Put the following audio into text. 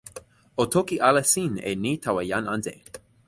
o toki ala sin e ni tawa jan ante.